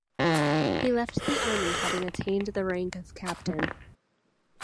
He left the Army having attained the rank of Captain.